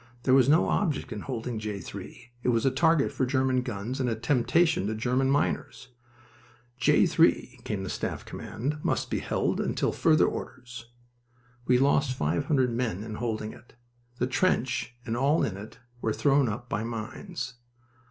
There was no object in holding J. 3. It was a target for German guns and a temptation to German miners. "J. 3," came the staff command, "must be held until further orders." We lost five hundred men in holding it. The trench and all in it were thrown up by mines.